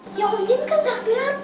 om jun kan gak keliatan